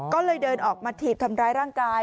ก็เลยเดินออกมาถีบทำร้ายร่างกาย